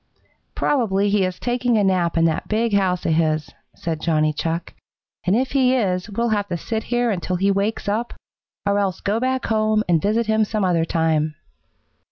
"Probably he is taking a nap in that big house of his," said Johnny Chuck, "and if he is we'll have to sit here until he wakes up, or else go back home and visit him some other time."